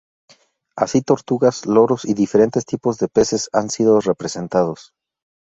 Así tortugas, loros y diferentes tipos de peces han sido representados.